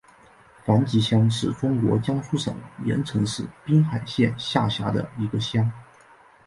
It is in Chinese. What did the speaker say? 樊集乡是中国江苏省盐城市滨海县下辖的一个乡。